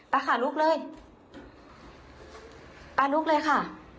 ไปค่ะลุกเลยไปลุกเลยค่ะ